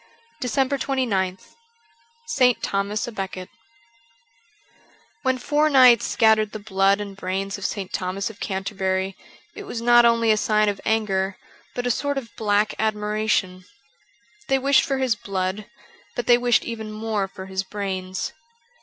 403 DECEMBER 29th ST. THOMAS A BECKET WHEN four knights scattered the blood and brains of St. Thomas of Canterbury it was not only a sign of anger but a sort of black admiration. They wished for his blood, but they wished even more for his brains.